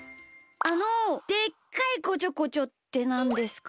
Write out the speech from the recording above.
あの「でっかいこちょこちょ」ってなんですか？